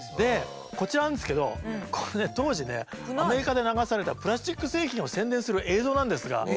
こちらなんですけどこれね当時ねアメリカで流されたプラスチック製品を宣伝する映像なんですが。